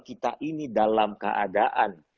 kita ini dalam keadaan